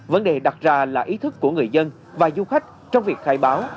vấn đề đặt ra là ý thức của người dân và du khách trong việc khai báo